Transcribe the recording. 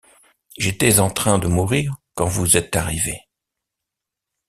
J’étais en train de mourir quand vous êtes arrivés.